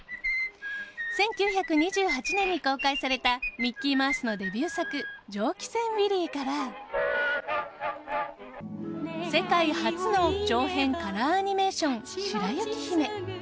１９２８年に公開されたミッキーマウスのデビュー作「蒸気船ウィリー」から世界初の長編カラーアニメーション「白雪姫」。